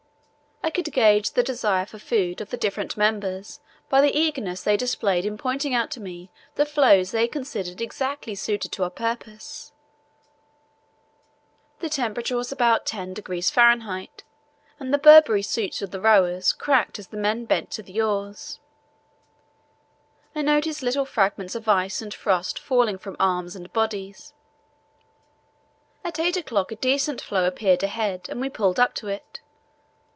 I could gauge the desire for food of the different members by the eagerness they displayed in pointing out to me the floes they considered exactly suited to our purpose. The temperature was about 10° Fahr., and the Burberry suits of the rowers crackled as the men bent to the oars. I noticed little fragments of ice and frost falling from arms and bodies. At eight o'clock a decent floe appeared ahead and we pulled up to it.